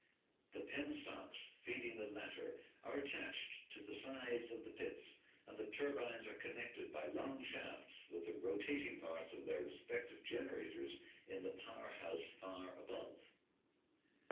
The penstocks feeding the latter are attached to the sides of the pits, and the turbines are connected by long shafts with the rotat ing parts of their respective generators in the power house far above.